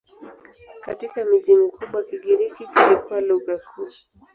Katika miji mikubwa Kigiriki kilikuwa lugha kuu.